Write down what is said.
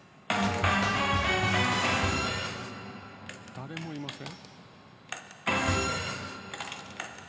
誰もいません。